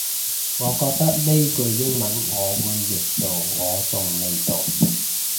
我覺得呢句英文我會譯做我仲未做